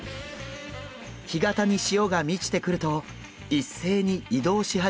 干潟に潮が満ちてくると一斉に移動し始めました。